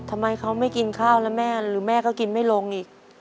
ทำไมเขาไม่กินข้าวแล้วแม่หรือแม่ก็กินไม่ลงอีก